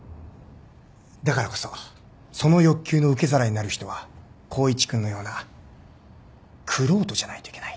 だからこそその欲求の受け皿になる人は光一君のような玄人じゃないといけない。